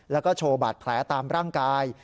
แล้วก็โชว์บาดแผลตามร่างกาย